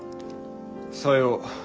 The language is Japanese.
さよう。